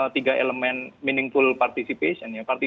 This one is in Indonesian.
tiga elemen meaningful participation ya